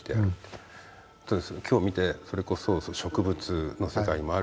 今日見てそれこそ植物の世界もある。